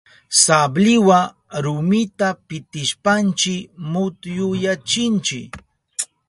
Sabliwa rumita pitishpanchi mutyuyachinchi.